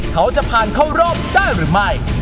เขาจะผ่านเข้ารอบได้หรือไม่